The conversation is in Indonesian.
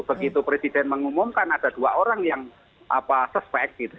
begitu presiden mengumumkan ada dua orang yang suspek gitu